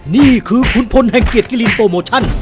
นี่คือขุนพลแห่งเกียรติกิลินโปรโมชั่น